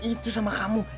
itu sama kamu